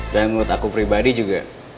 dan menurut aku pribadi juga